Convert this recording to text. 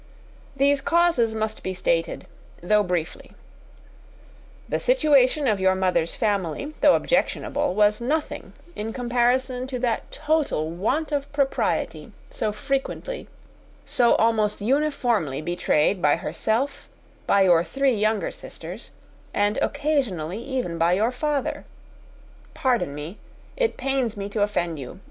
These causes must be stated, though briefly. The situation of your mother's family, though objectionable, was nothing in comparison of that total want of propriety so frequently, so almost uniformly betrayed by herself, by your three younger sisters, and occasionally even by your father: pardon me, it pains me to offend you.